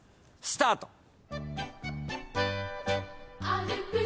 スタート。